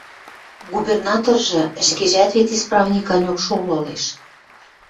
Губернаторжы ӹшкежӓт вет исправник ганьок шолы ылеш.